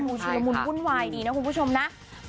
ดูชื่อมุนบุญวายนี้นะคุณผู้ชมนะ